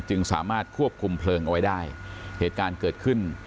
สามารถควบคุมเพลิงเอาไว้ได้เหตุการณ์เกิดขึ้น